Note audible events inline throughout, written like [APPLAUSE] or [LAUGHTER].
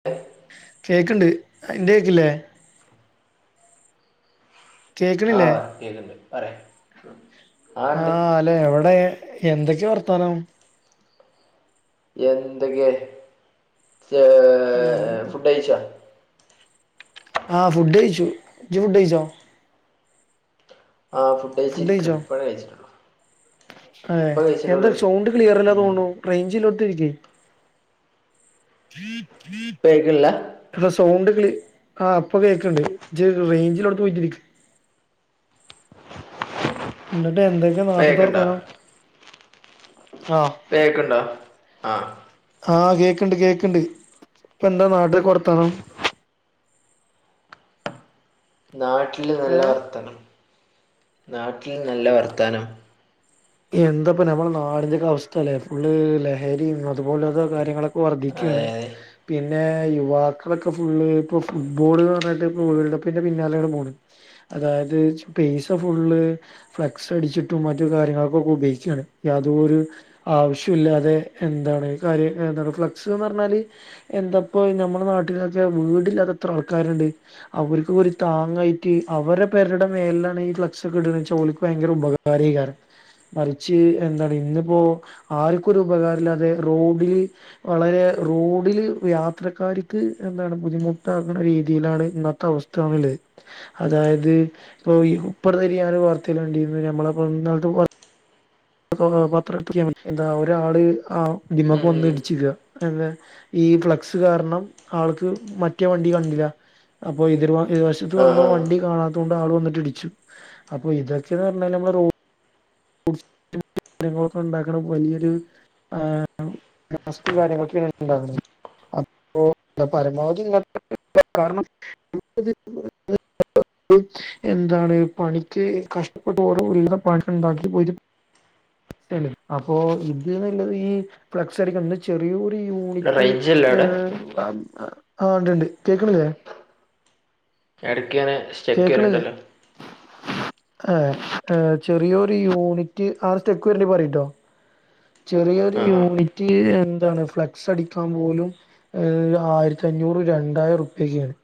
[UNINTELLIGIBLE] കേക്കൺണ്ട് ഇന്റെ കേക്ക്ൺലെ കേക്ക്ണില്ലേ ആഹ് പറ കേക്ക്ൺണ്ട് പറെ ആഹ് ഇണ്ട് അല്ല എവടെ എന്തൊക്കെ വർത്താനം എന്തൊക്കേ ഏഹ് എന്താ ഫുഡ്ഡയ്ച്ചൊ ആഹ് ഫുഡ്ഡഴിച്ചു ഇജ് ഫുഡ്ഡഴ്ച്ചൊ ആഹ് ഫുഡ്ഡഴിച്ചിരിക്കാണ ഇപ്പഴ കഴ്ച്ച അതേ എന്ത സൗണ്ട് ക്ലിയറല്ലാ ഉം തോന്ന്ണു റെയ്ഞ്ചില്ലോട്ത്തിരിക്ക് [UNINTELLIGIBLE] ബയ്ക്ക്ണില്ല ഇട സൗണ്ട് ക്ലിയ ആഹ് ഇപ്പ കേക്ക്ൺണ്ട് ഇജ് റെയ്ഞ്ച്ള്ളോട്ത്ത് പോയിട്ടിരിക്ക് ഇന്ന്ട്ട് എന്തൊക്കെ ഇപ്പ നാട്ടിത്തെ കേക്ക്ണ്ടോ വർത്താനം ആഹ് ഇപേക്ക്ൺണ്ടൊ ആഹ് ആഹ് കേക്ക്ൺണ്ട് കേക്ക്ൺണ്ട് ഇപ്പെന്താ നാട്ടിലെ വർത്താനം നാട്ട്ലൽ നല്ല ഏഹ് വർത്തനം നാട്ട്ൽ നല്ല വർത്താനം എന്തപ്പൊ ഞമ്മളെ നാടിന്റെക്കെ അവസ്ഥലേ ഫുള്ള് ലഹരിം അത്പോലത കാര്യങ്ങള് അതെ വർധിക്കാണ് അതെ പിന്നേ യുവാക്കളൊക്കെ ഫുള്ള് ഇപ്പൊ ഫുട്ബോള്ന്ന് പറഞ്ഞ്ട്ട് വേൾഡ് കപ്പിന്റെ പിന്നാലേണ് പോണ് അതായത് പൈസ ഫുള്ള് ഫ്ലക്സടിച്ചിട്ടും മറ്റ് കാര്യങ്ങൾ ക്കെ ഉപയോഗിക്കാണ് യാതോര് ആവശ്യല്ലാതെ എന്താണ് കാര്യ എന്താണ് ഫ്ലക്സ്ന്ന് പറഞ്ഞാല് എന്താപ്പൊ ഞമ്മളെ നാട്ട്ലൊക്കെ വീടില്ലാതെത്ര ആൾക്കാരോണ്ട് അവർക്ക് ഒരു താങ്ങായിട്ട് അവര്ടെ പെരടെ മേലാണ് ഈ ഫ്ലക്സൊക്ക്ട്ണേച ഓൽക് ഭയങ്കര ഉപകാ കാരെകാരം മറിച്ച് എന്താണ് ഇന്നിപ്പോ ആർക്കൊരു ഉപകാരല്ലാതെ റോഡ്ല്- വളരെ റോഡ്ല് യാത്രക്കാര്ക്ക് എന്താണ് ബുദിമുട്ടാക്ക്ണ രീതിയിലാണ് ഇന്നത്തെ അവസ് താമിലെ അതായത് ഇപ്പൊ ഇപ്പറത്തെരി ഞാന ഒരു വാർത്തല്ല വേണ്ടിന്നത് നമ്മള പത്ര എന്ത ഒരാള് ആഹ്, ഉം ഇതിമക് വന്ന് ഉം ഇടിച്ചിരിക്കുക എന്താ ഈ ഫ്ലെക്സ് കാരണം ആൾക്ക് മറ്റേ വണ്ടി കണ്ടില്ല അപ്പൊ ഇത് [UNINTELLIGIBLE] ആഹ് ന്ന ആഹ് വണ്ടി കാണാത്തോണ്ട് ആൾ വന്നിട്ട് ഇടിച്ചു അപ്പോ ഇതൊക്കന്ന് പറഞ്ഞല് സ്ഥങ്ങളൊക്കെ ഉണ്ടാക്കണം വലിയൊരു പ്ലാസ്റ്റ കാര്യങ്ങളൊക്കെ ഉണ്ടാവുന്നത് അപ്പോ പരമാവധി കാരണം എന്താണ് പണിക്ക് കഷ്ടപ്പെട്ട് ഓര ഒരു പണി ഉണ്ടാക്ക് [UNINTELLIGIBLE] അപ്പോ ഇത് നല്ലത് ഈ ഫ്ലക്സ് അടിക്കുന്ന ചെറിയൊരു ഇവിടെ യൂണിറ്റ് റേഞ്ചില്ല അവിടെ ആഹ് ഇണ്ട് ഇണ്ട് കേക്കണില്ലേ ഇടക് ഞന് കേൾക്കുന്നില്ലേ ആഹ് ഏഹ് ചെറിയൊരു യൂണിറ്റ് ആഹ് സ്റ്റേക്ക് വരുന്നുണ്ടേൽ പറയൂട്ടോ ചെറിയൊരു ആഹ് ആഹ് യൂണിറ്റ് എന്താണ് ഫ്ലെക്സ് അടിക്കാൻ പോലും ആയിരത്തി അഞ്ഞൂറ് രണ്ടായിരം രൂപയൊക്കെ അന്ന്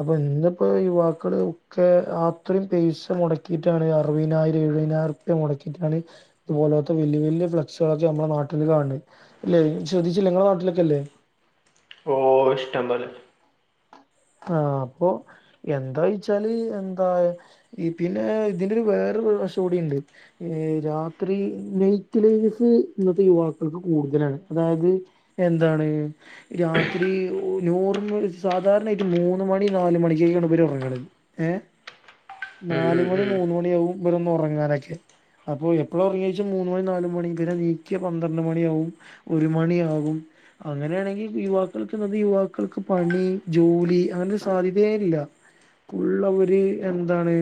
അപ്പൊ ഇന്നിപ്പോ യുവാക്കൾ ഒക്കെ അത്രയും പൈസ മുടക്കിയിട്ടാണ് അറുപതിനായിരം എഴുപതിനായിരം മുടക്കിട്ടാണ് ഇത്പോലാത്തെ വലിയ വലിയ് ഫ്ലെക്സ് നമ്മുടെ നാട്ടിൽ കാണ് അല്ലെ ശ്രെദ്ധിച്ചിലെ നിങ്ങളുടെ നാട്ടിലൊക്കെ ഇല്ലേ ഓ ഇഷ്ടം പോലെ ആഹ് അപ്പൊ എന്താ ചോദിച്ചാല് എന്താ പിന്നെ ഇതിന്റെ ഒരു വേറൊരു വേർഷൻ കൂടി ഉണ്ട് ഏഹ് രാത്രി നൈറ്റ്, ലൈഫ് ഇന്നത്തെ യുവാക്കൾക്ക് കൂടുതലാണ് അതായത് എന്താണ് രാത്രി നോർമൽ സാധാരണ ഒരു മൂന്ന് മണി നാല് മണിക്കൊക്കാണ് ഇവർ ഉറങ്ങുന്നത് ഏഹ് ഉം നാല് ഉം മണി ഉം മൂന്ന് മണിയ ആകും ഇവർ ഒന്ന് ഉറങ്ങാനൊക്കെ അപ്പൊ എപ്പോഴും ഉറങ്ങാ എന്ന് ചോദിച്ചാൽ മൂന്ന് മണി നാല് മണി പിന്നെ എനിക പന്ത്രണ്ട് മണിയാവും ഒരു മണിയാകും അങ്ങനെയാണെങ്കിൽ യുവാക്കൾക്ക് യുവാക്കൾക്ക് പണി ജോലി അങ്ങനൊരു സാധ്യതയില്ലഫുൾ അവര് എന്താണ്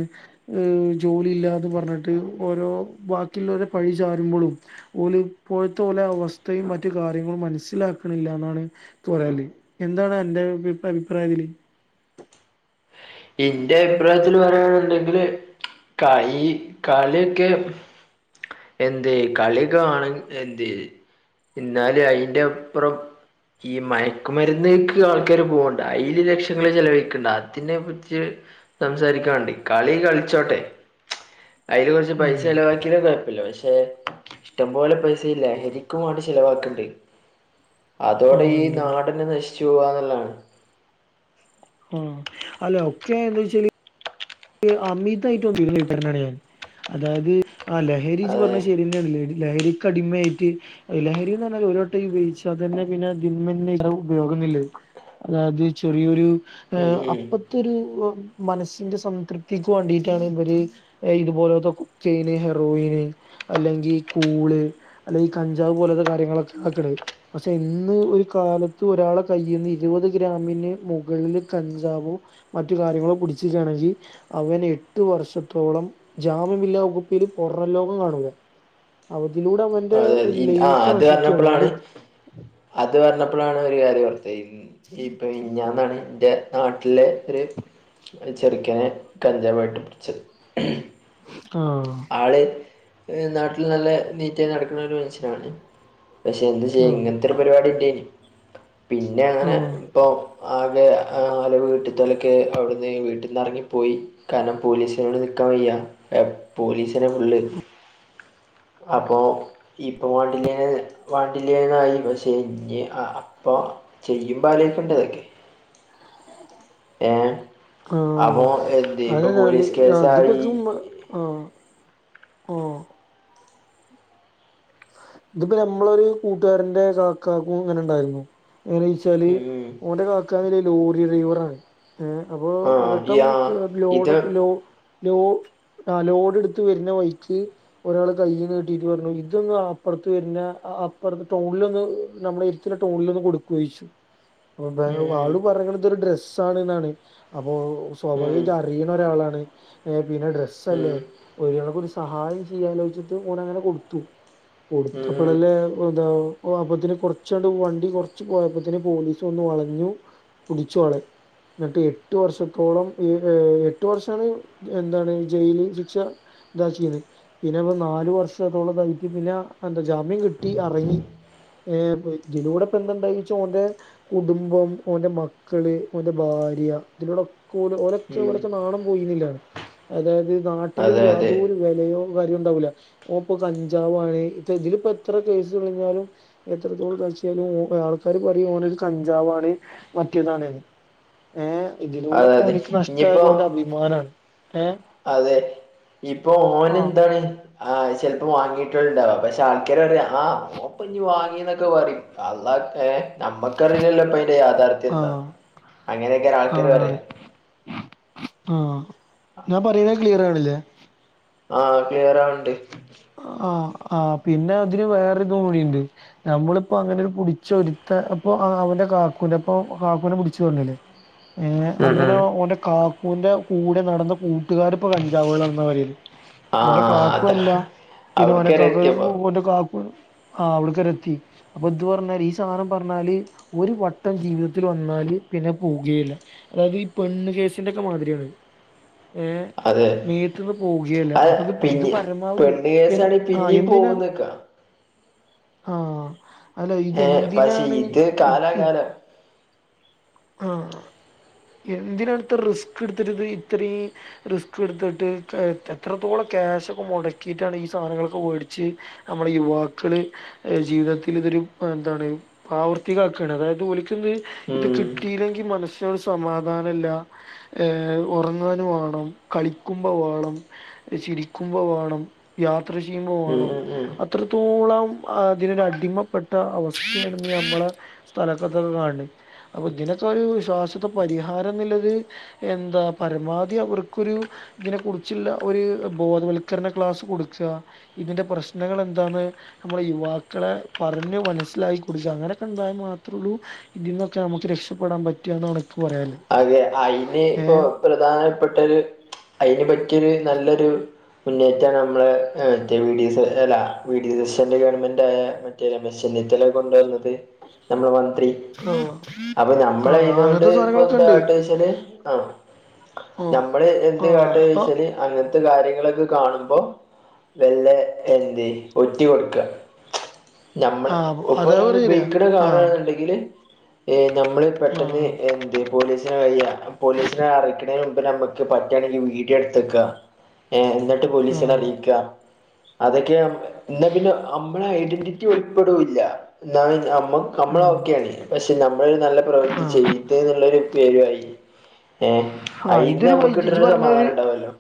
ഏഹ് ജോലി ഇല്ലന്ന് പറഞ്ഞിട്ട് ഓരോ വാക്കിയുള്ളവരെ പഴി ചാരുമ്പോഴും ഒരുല ഇപ്പോഴത്തെ ലെ അവസ്ഥയും മറ്റു കാര്യങ്ങളും മനസ്സിലാക്കണില്ല എന്നാണ് കുറല്ലേ എന്താണ് അന്റെ അഭിപ്രായം ഇതില് എന്റെ അഭിപ്രായത്തിൽ പറയണുണ്ടെങ്കില് ഈ കളിയൊക്കെ എന്തെ കളിയൊക്കെ വേണം എന്തെ എന്നാലെ അതിന്റെ ഒപ്രം ഈ മയക്കുമരുന്ന്ക്ക് ആൾക്കാര് പോകണ്ട അതിൽ ലക്ഷങ്ങള് ചെലവഴിക്കണ്ട് അതിനെ റ്റി സംസാരിക്കാണ്ട് കളി കളിച്ചോട്ടെ അതിൽ കുറച്ച് പൈസ ഉം ചലവാക്കി കുഴപ്പില്ല പക്ഷെ ഇഷ്ടം പോലെ പൈസ ഇല്ല ലഹരിക്കു വേണ്ടി ചിലവാക്കണ്ട് [INAUDIBLE] അതോടെ ഈ ഉണ്ട് നാടിനെ നശിച്ചു പോവാന്നുളളതാണ് ആഹ് അല്ലെ ഒക്കെ എന്താ വെച്ചല് അമിതായിട്ട [UNINTELLIGIBLE] ഞാൻ അതായത് ആഹ് ലഹരി അതെ പറഞ്ഞ ശ ലഹക്ക്ടിമയായിട്ട് ലഹരിന്ന് പറഞ്ഞാല് ഒരു വട്ടം ഉപയോഗിച്ച അത് തന്നെ പിന്നെ അതിന്മന്നെ ഈ ഉപയോഗുന്നില്ലേ അതായത് ചെറിയൊരു ഉം ഉം അപ്പത്തെ ഒരു മനസ്സിന്റെ സ തൃപ്തിക്ക് വാണ്ടിട്ടാണ് ഇബര് ഇഹ് ഇതുപോലത്തെ കു ചെയ്യ്ന് ഹെറോയിന് അല്ലെങ്കിൽ കൂള് അല്ലെങ്കി ഈ കഞ്ചാവ് പോലത്തെ കാര്യങ്ങളൊക്കെ ആക്ക്‌ണെ പക്ഷെ ഇന്ന് ഒരു കാലത്ത് ഒരാള്ടെ കയ്യിന്ന് ഇരുപത് ഗ്രാമിന് മുകളില് കഞ്ചാവോ മറ്റു കാര്യങ്ങളോ പുടിച്ച്ക്കാണെങ്കി അവൻ എട്ട് വർഷത്തോളം ജാമ്യമില്ലാ വകുപ്പില് പൊറം ലോകം കാണൂല അവതിലൂടെ അവ [UNINTELLIGIBLE] അതെ ഇ ന്റ ആഹ് അത് പറഞ്ഞപ്പളാണ് അത് പറഞ്ഞപ്പളാണ് ഒരു കാര്യം ഓർത്തേ ഇപ്പൊ മിനിഞ്ഞാന്നാണ് ഇന്റെ നാട്ടിലെ ഒരു ചെറുക്കനെ കഞ്ചാവായിട്ട് പിടിച്ചത് ആഹ് ആള് നാട്ടിൽ നല്ല നീറ്റായി നടക്കുന്ന ഒരു മനുഷ്യനാണ് പക്ഷെ എന്ത് ചെയ്യാൻ ആഹ് ഇങ്ങനത്തെ ഒരു പരിപാടി ണ്ടേയ്നി പിന്നെ അങ്ങനെ ആഹ് ഇപ്പോ ആകെ ആള് വീട്ട്ത്തോലൊക്കേ അവിടുന്ന് വീട്ട്ന്നറങ്ങിപ്പോയി കാരണം പോലീസ്നോണ്ട് നിക്കാൻ വയ്യ പോലീസനെ ഫുള്ള് അപ്പോ ഇപ്പൊ വണ്ടിലേ വാണ്ടി ഇല്ലായ്മ ആയി പക്ഷെ ഇനി അപ്പൊ ചെയ്യുമ്പാലോയിക്കെണ്ടേ ഇതൊക്കെ [INAUDIBLE] ആഹ് അപ്പൊ എന്ത് ഇപ്പൊ അതെഞാ പോലീസ് [UNINTELLIGIBLE] അത് കേസായി പക്കം [UNINTELLIGIBLE] ആഹ് ആഹ് ഇതിപ്പോ ഞമ്മളൊരു കൂട്ടുകാരന്റെ കാക്കാക്കും ഇങ്ങനെണ്ടായിരുന്നു എങ്ങനേയ് റ്റാല് ഉം ഓന്റെ കാക്കന്ന് ല്ലെയ് ലോറി ഡ്രൈവറാണ് ഏഹ് അപ്പൊ ഉം ആ ഒരട്ടം യാ മുക്ക് ലോ‌ഡ് ഇത് ക് ലോ ലോ ആഹ് ലോഡ് ഇട്ത്ത് വെര്നെ വഴിക്ക് ഒരാള് കയ്യി നീട്ടിട്ട് പറഞ്ഞു തൊന്ന് ആപ്പൊറ്ത്ത് വെര്നെ അപ്പൊറത്ത് ടൗണിലൊന്ന് നമ്മള എരിത്ത്ള്ളെ ടൗണിൽ ഒന്ന് കൊടുക്കോയിച്ചു [INAUDIBLE] അപൊ ബെനോ ഉം വാളു പറഞ്ഞ്ത് തൊഒരു ഡ്രസ്സ് ആണ് ന്നാണ് അപ്പോ ഉം ഉം സ്വാഭാവിക അറിയണ ഒരാളാണ് ഏഹ് പിന്നെ ഡ്രസ്സ് അല്ലേ ഉം ഒരാൾക്ക് ഒരു സഹായം ചെയ്യാലോച്ചിട്ട് ഓൻ അങ്ങനെ കൊടുത്തു ഉം ഉം കൊടുത്തപ്പളല്ലേ [UNINTELLIGIBLE] താ അപ്പത്തിന് കൊറച്ചാണ്ട് വണ്ടി കുറച്ച് പോയപ്പത്തിന് പോലീസ് വന്ന് വളഞ്ഞു പുടിച്ചോളെ ന്നിട്ട് എട്ടു വർഷത്തോളം ഇഹ് ഏഹ് എട്ടു വർഷാണ് എന്താണ് ജയില് ശിക്ഷ ഇതാക്കിയത് പിന്നെ ഇവൻ നാലു വർഷത്തോളം ക [UNINTELLIGIBLE] പിന്നെ എന്താ ജാമ്യം കിട്ടി അറങ്ങി ഇതിലൂടെപ്പ ന്താണ്ടായിച്ച ഓന്റെ കുടുംബം, ഓന്റെ മക്കള്, ഓന്റെ ഭാര്യ ഇതിലൂടോക്കോല് ഓലെ ക്കെ ഉം ഓലെക്കെ നാണം പോയിന്നില്ലെ അതായത് നാട്ടില് അതെ അതെ യാതൊരു വെലി [UNINTELLIGIBLE] വെലിം ണ്ടാവൂല്ല ഓപ്പൊ കഞ്ചാവാണ് ഇ ഇതിലിപ്പോ എത്ര കേസ് കഴിഞ്ഞാലും എത്രത്തോളം കാഴ്ചാലും ആൾക്കാർ പറയും ഓനൊരു കഞ്ചാവാണ് മറ്റേതാണ് ന്ന് ഏഹ് അതെ ഇതിലൂടപ്പം അതെ ഓനിക്ക് ഇനിയിപ്പോ നഷ്ടായത് ഓന്റെ അഭിമാനമാണ് ഏഹ് അതെ ഇപ്പൊ ഓന് ആഹ് ന്താണ് ആഹ് ചിലപ്പോം വാങ്ങിയിട്ടുള്ളു ണ്ടാവാ പക്ഷെ ആൾക്കാര് പറയും ആഹ് ഓൻ ഇപ്പോ ഞ്ഞ് വാങ്ങി ന്നൊക്കെ പറിം അള്ളാഹ്‌ക്കെ നമ്മക്കറിയില്ലല്ലോ ഇപ്പൊ അയിന്റെ യാഥാർത്ഥ്യം എന്താന്ന് ആഹ് അങ്ങനെയ്ക്കാരം ആൾക്കാര് പറയ ആണാണ് ആഹ് ഞാൻ പറയുന്ന ക്ലിയർ ആണല്ലേ ആഹ് ക്ലിയർ ആവണ്ട് ആഹ് ആഹ് പിന്നെ അതിന് വേറോര്ത് കൂടിണ്ട് നമ്മളിപ്പൊ അങ്ങനെ ഒരു പിടിച്ച ഒരുത്ത അപ്പൊ ആഹ് അവന്റെ കാക്കുന്റെപ്പം കാക്കുനെ പുടിച്ചു പറഞ്ഞ്ല്ലേ ഏഹ് ഉം അങ്ങനെ ഉം ഒന്റെ കാക്കുന്റെ കൂടെ നടന്ന കു ട്ടുകാര്പ്പോ കഞ്ചാവോളാണ് ന്ന പറയല് ആ ഓന്റെ കാക്കു അല്ല അതാണ് പിന്നെ ഓനെ അവിടക്ക് വരെ ക്കാ എത്തിയപ്പോ [UNINTELLIGIBLE] ഓന്റെ കാക്കു ആഹ് അവിട്ക്കരെ എത്തി അപ്പൊ ഇത് പറഞ്ഞാല് ഈ സാധനം പറഞ്ഞാല് ഒരു വട്ടം ജീവിതത്തിൽ വന്നാല് പിന്നെ പോവുകേയില്ല അതായത് ഈ പെണ്ണ് കേസിന്റെക്കെ മാതിരിയാണ് ഏഹ് അതെ വീട്ടിന്ന് പോകുകേലാ അത് അപ്പൊ ഇത് പിന്നെ പരമാവധി പെണ്ണ് എ കേസാണ് ആഹ് പിന്നെയും എന്തിനാണ് പോകുന്നക്ക ആഹ് അല്ല ഏ പക്ഷെ ഇതെന്തിനാണ് ഇത് ഇ കാലാകാലം ആഹ് എന്തിനാണ് ഇത്ര റിസ്ക് എടുത്തിട്ട് ഇത്രയും റിസ്ക് എടുത്തിട്ട് എത്രത്തോളം ക്യാഷ് ഒക്കെ മെടക്കിയിട്ടാണ് ഈ സാധനങ്ങളൊക്കെ വേടിച്ച് നമ്മള് യുവാക്കള് ജീവിതത്തിൽ ഇതൊരു എന്താണ് പ്രാവർത്തികക്കുകയാണ് അതായത് ഒൽക്കിത് ഉം കി യില്ലെങ്കി മനസ്സിനൊരു സമാധാനയില്ല ഏഹ് ഒറങ്ങാന് വേണം കളിക്കുമ്പം വേണം ചിരിക്കുമ്പോ വേണം യാത്ര ചെയ്യുമ്പോ ഉം വേണം ഉം ഉം എത്രത്തോളം അതിനൊരു അടിമപ്പെട്ട അവസ്ഥയാണ് ഈ നമ്മളെ സ്ഥലക്കത്തക്കെ കാനുനെ അപ്പൊ ഇതിനൊക്കെ ഒരു ശ്വാശദ പരിഹാരം എന്നിള്ളത് എന്താ പരമാവധി അവർക്കൊരു ഇതിനെ കുറിച്ചുള്ള ഒരു ബോധവൽക്കരണ ക്ലാസ് കൊടുക്കുക ഇതിന്റെ പ്രശ്നങ്ങൾ എന്താന്ന് നമ്മുടെ യുവാക്കളെ പറഞ്ഞ് മനസ്സിലാക്കി കൊടുക്കു അങ്ങനെയൊക്കെ ഒണ്ടായൽ മാത്രേ ഉള്ളൂ ഇതിന്നൊക്കെ നമുക്ക് രക്ഷ രക്ഷ പെടാൻ പറ്റാന്ന് ഒനക്ക് പറയാളേ അതെ അയിന് ഇപ്പൊ പ്രധാനപ്പെട്ട ഒരു അയിന് പറ്റിയൊരു നല്ലൊരു മുന്നേറ്റാണ് നമ്മള് മറ്റേ വി. ഡി സദി അല്ല വി. ഡി സ് ഗവൺമെന്റ് ആയ മറ്റേ രമേശ് ചെന്നിത്തല കൊണ്ടുവന്നത് നമ്മുടെ മന്ത്രി ആഹ് അപ്പൊ നമ്മളെ ആഹ് ഇതുകൊണ്ട് അങ്ങനത്തെ സാധനങ്ങളൊക്കെ ഉണ്ട് [UNINTELLIGIBLE] ആ ഓ നമ്മള് എന്ത് ആഹ് അപ്പൊ കാട്ടവെച്ചാല് അങ്ങനത്തെ കാര്യങ്ങളൊക്കെ കാണുമ്പം വെള്ളെ എന്റി ഒറ്റി കൊടുക്കുക നമ്മള് ആഹ് ഇപ്പോ അതാ ഒരാൾ പറയല് ഉപയോഗിക്കണെ കാണുവാണ് ആഹ് എന്നുണ്ടെങ്കില് ഏഹ് നമ്മള് പെട്ടിന്ന് ആഹ് ഏഹ് പോലീസിന് വയ്യ പോലീസിനെ അറക്കണതിന് മുൻപ് നമ്മക്ക് പറ്റയാണെങ്കിൽ വീഡിയോ എടുത്തു വെക്കുക ഏഹ് എന്നിട്ട് പോലീസിനെ ആഹ് അറിയിക്കുക അതൊക്കെയാകുമ്പം എന്നാ പിന്നെ നമ്മടെ ഐഡന്റിറ്റി വെളിപ്പെടുല എന്ന ന നമ്മള ഓക്കെയാണ് പക്ഷെ നമ്മളെരു നല്ല പ്രവൃത്തി ആഹ് ചെയ്തെന്നുള്ളോരു പേരുയായി ഏഹ് ആഹ് അയിന് ഇതൊരു വൈ നമ്മുക്ക് കിട്ട ഇജ്ജ് ഒരു സമാധാനം പറഞ്ഞൊരു ഉണ്ടാവല്ലോ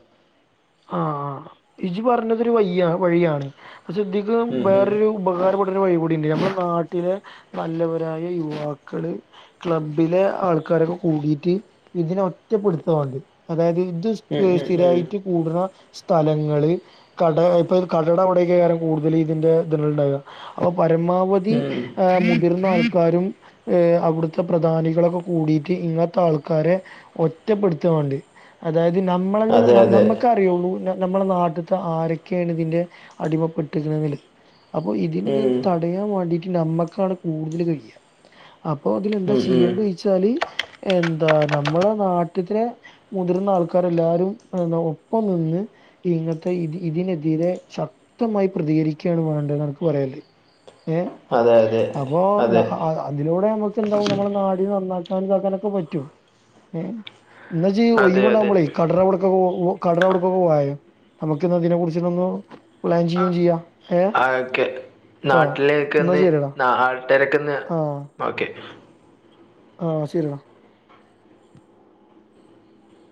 ആഹ് ഇജി പറഞ്ഞതോരു വയ്യിയാണ് വഴിയാണ് ശ്രദ്ധിക്കണം ഉം ഉം വേറൊരു ഉപകാരപ്പെട്ടരു വഴികൂടിയുണ്ട് നമ്മടെ നാട്ടിലെ നല്ലവരായ യുവാക്കള് ക്ലബ്ബിലെ ആൾക്കാരൊക്കെ കൂടിട്ട് ഇതിനെ ഒറ്റപ്പെടുത്താമതി അതായത് ഇത് ഉം ഉം സ്ഥിരായായിട്ട് കൂടുന്ന സ്ഥലങ്ങള് കട ഇപ്പെ കട അവിടൊക്കെയാണ് കൂടുതൽ ഇതിന്റെ ഇത്കൾ ഒണ്ടാവാ അപ്പൊ പരമാവധി ഉം ഉം ആഹ് മുതിർന്ന ആൾക്കാരും ഏഹ് അവിടുത്തെ പ്രധാനികളൊക്കെ കൂടിട്ട് ഇങ്ങനത്തെ ആൾക്കാരെ ഒറ്റപ്പെടുത്തിയമതി അതായത് നമ്മളെ അതെ എന്തിനാ അതെ നമ്മക്ക് നമക്കെ അറിയുള്ളൂ നമ്മടെ നാട്ടിത്തെ ആരൊക്കെയാണ് ഇതിന്റെ അടിമപ്പെട്ടിയിരിന്നതില് അപ്പൊ ഇതിന് ഇത് ഉം തടയാൻ വേണ്ടിട്ട് നമ്മക്കാണ് കൂടുതല് കഴിക്കുക അപ്പൊ അതിലെന്താ ഉം ഉം ചെയ്യണ്ടെ വെച്ചാല് എന്താ നമ്മള് നാട്ടിത്തെലെ മുതിർന്ന ആൾക്കാർയെല്ലാരും എന്ത് ഒപ്പം നിന്ന് ഇങ്ങനത്തെ ഇത് ഇതിനെതിരെ ശക്തമായി പ്രതികരിക്കുകയാണ് വേണ്ടത് അനക് പറയാല്ലേ ഏഹ് അതെ അതെ അപ്പോ അതെ അതിലൂടെ നമ്മക്ക് എന്താവും നമ്മുടെ നാടിനെ നന്നാക്കാം വലുതാക്കാനും ഒക്കെ പറ്റും ഏഹ് എന്നാ ജി അതെ ഒയിവ് അതെ ഉണ്ടാകുബളെ കടല കൊടുക്കാൻ പോവു കടല കൊടുക്കുമ്പോ വാഴോ നമുക്കിന്ന് അതിനെ കുറിച്ച് ഇതൊന്ന് പ്ലാൻ ചെയ്യും ചെയ്യാം ഏഹ് ട്ടോ എന്നാ നാട്ടിലേക്കെന്ന് ശരിയടാ നട്ടാരൊക്കെന്ന് ആഹ് ഓക്കേ ആഹ് ശരിടാ